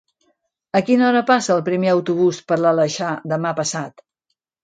A quina hora passa el primer autobús per l'Aleixar demà passat?